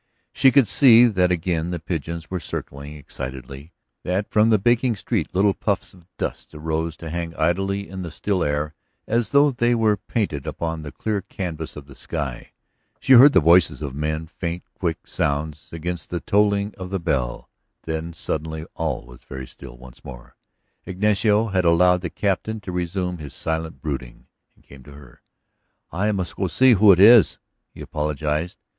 She could see that again the pigeons were circling excitedly; that from the baking street little puffs of dust arose to hang idly in the still air as though they were painted upon the clear canvas of the sky. She heard the voices of men, faint, quick sounds against the tolling of the bell. Then suddenly all was very still once more; Ignacio had allowed the Captain to resume his silent brooding, and came to her. "I must go to see who it is," he apologized.